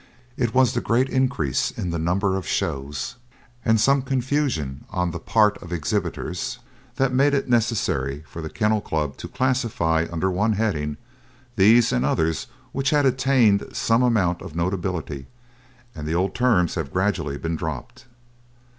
It was the great increase in the number of shows and some confusion on the part of exhibitors that made it necessary for the Kennel Club to classify under one heading these and others which had attained some amount of notability and the old terms have gradually been dropped.